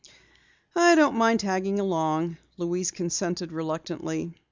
"I don't mind tagging along," Louise consented reluctantly.